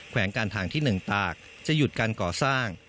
วงการทางที่๑ตากจะหยุดการก่อสร้าง